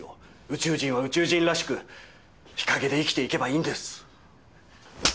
宇宙人は宇宙人らしく日陰で生きていけばいいんです。